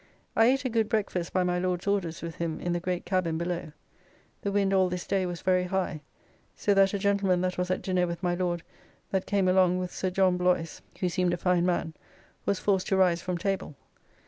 I ate a good breakfast by my Lord's orders with him in the great cabin below. The wind all this day was very high, so that a gentleman that was at dinner with my Lord that came along with Sir John Bloys (who seemed a fine man) was forced to rise from table.